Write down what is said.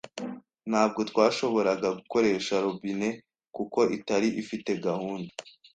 Ntabwo twashoboraga gukoresha robine kuko itari ifite gahunda.